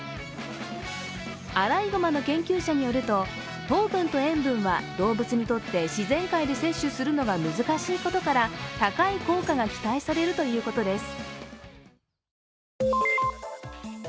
アライグマの研究者によると、糖分と塩分は動物にとって自然界で摂取するのが難しいことから高い効果が期待されるということです。